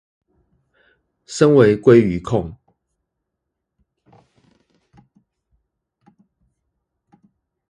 身為鮭魚控